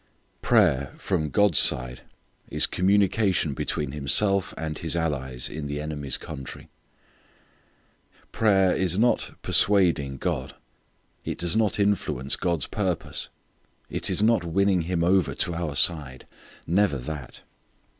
Prayer from God's side is communication between Himself and His allies in the enemy's country. Prayer is not persuading God. It does not influence God's purpose. It is not winning Him over to our side; never that.